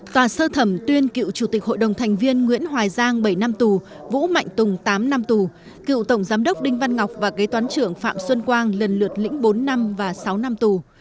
tòa sơ thẩm tuyên cựu chủ tịch hội đồng thành viên nguyễn hoài giang bảy năm tù vũ mạnh tùng tám năm tù cựu tổng giám đốc đinh văn ngọc và kế toán trưởng phạm xuân quang lần lượt lĩnh bốn năm và sáu năm tù